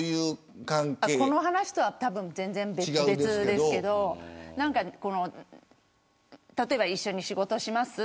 この話とは全然、別ですけど例えば、一緒に仕事をします